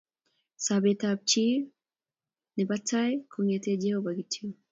Sobet ap chi ne bo tai konget Jehova kityok.